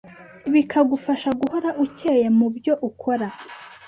bikagufasha guhora ucyeye mu byo ukora